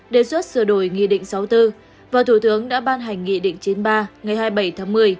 đề xuất sửa đổi nghị định sáu mươi bốn và thủ tướng đã ban hành nghị định chín mươi ba ngày hai mươi bảy tháng một mươi